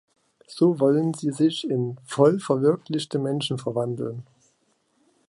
So wollen sie sich in „voll verwirklichte“ Menschen verwandeln.